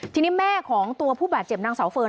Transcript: ทีนี้แม่ของตัวผู้บาดเจ็บนางสาวเฟิร์น